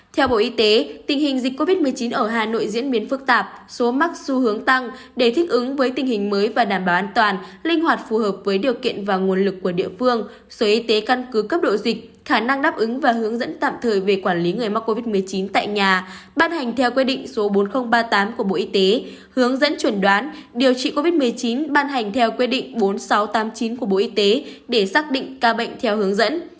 theo bộ y tế tình hình dịch covid một mươi chín ở hà nội diễn biến phức tạp số mắc xu hướng tăng để thích ứng với tình hình mới và đảm bảo an toàn linh hoạt phù hợp với điều kiện và nguồn lực của địa phương sở y tế căn cứ cấp độ dịch khả năng đáp ứng và hướng dẫn tạm thời về quản lý người mắc covid một mươi chín tại nhà ban hành theo quy định số bốn nghìn ba mươi tám của bộ y tế hướng dẫn chuẩn đoán điều trị covid một mươi chín ban hành theo quy định bốn nghìn sáu trăm tám mươi chín của bộ y tế để xác định ca bệnh theo hướng dẫn